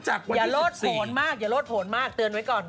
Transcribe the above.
เหรออย่าโรดโผนมากและเตือนไว้ก่อน